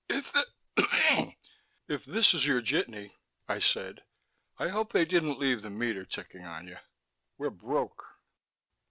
"If this is your jitney," I said, "I hope they didn't leave the meter ticking on you. We're broke."